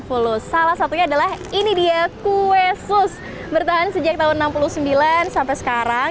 mulus salah satunya adalah ini dia kue sus bertahan sejak tahun enam puluh sembilan sampai sekarang